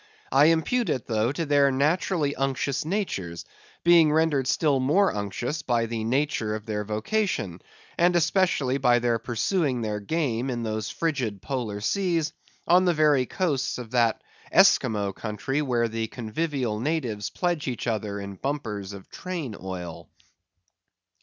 I impute it, though, to their naturally unctuous natures, being rendered still more unctuous by the nature of their vocation, and especially by their pursuing their game in those frigid Polar Seas, on the very coasts of that Esquimaux country where the convivial natives pledge each other in bumpers of train oil.